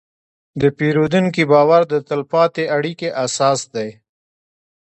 د پیرودونکي باور د تل پاتې اړیکې اساس دی.